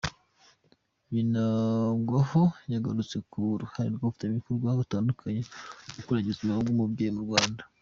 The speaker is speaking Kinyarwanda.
Binagwaho yagarutse ku ruhare rw’abafatanyabikorwa batandukanye mu kurengera ubuzima bw’umubyeyi mu Rwanda.